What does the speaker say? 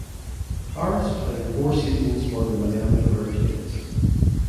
Harris played four seasons for the Miami Hurricanes.